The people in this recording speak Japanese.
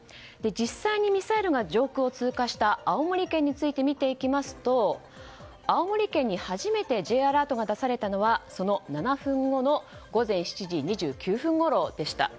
実際にミサイルが上空を通過した青森県について見ていきますと青森県に初めてＪアラートが出されたのはその７分後の午前７時２９分ごろでした。